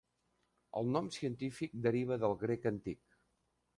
El nom científic deriva del grec antic.